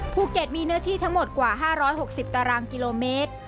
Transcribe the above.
ภูเก็ตมีเนื้อที่ทั้งหมดกว่า๕๖๐ตารางกิโลเมตร